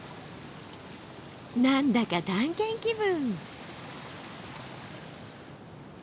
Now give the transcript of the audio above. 何だか探検気分。